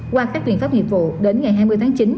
qua các biện pháp nghiệp vụ đến ngày hai mươi tháng chín